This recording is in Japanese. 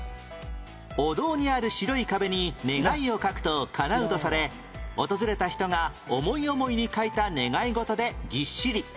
お堂にある白い壁に願いを書くとかなうとされ訪れた人が思い思いに書いた願い事でぎっしり